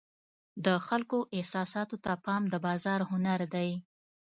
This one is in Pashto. د خلکو احساساتو ته پام د بازار هنر دی.